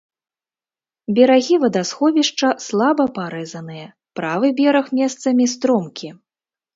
Берагі вадасховішча слаба парэзаныя, правы бераг месцамі стромкі.